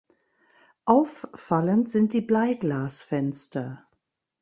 Auffallend sind die Bleiglasfenster.